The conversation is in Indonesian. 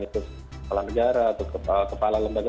itu kepala negara atau kepala lembaga perusahaan